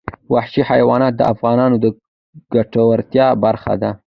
وحشي حیوانات د افغانانو د ګټورتیا برخه ده.